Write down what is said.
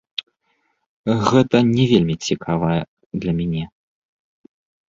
Гэта не вельмі цікава для мяне.